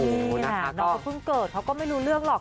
นี่น้องเขาเพิ่งเกิดเขาก็ไม่รู้เรื่องหรอก